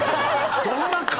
どんな勘！？